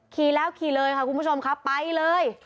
ขี่แล้วขี่เลยค่ะคุณผู้ชมครับไปเลย